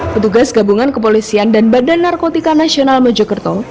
petugas gabungan kepolisian dan badan narkotika nasional mojokerto